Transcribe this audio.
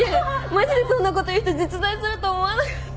マジでそんなこと言う人実在すると思わなかった。